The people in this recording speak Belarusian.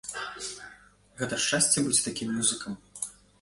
Гэта шчасце быць такім музыкам?